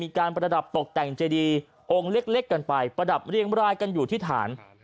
ประดับตกแต่งเจดีองค์เล็กกันไปประดับเรียงรายกันอยู่ที่ฐาน